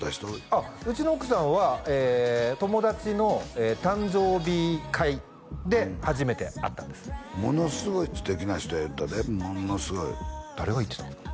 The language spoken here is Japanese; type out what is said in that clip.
あっうちの奥さんは友達の誕生日会で初めて会ったんですものすごい素敵な人や言ってたでものすごい誰が言ってたんですか？